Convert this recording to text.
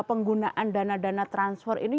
penggunaan dana dana transfer ini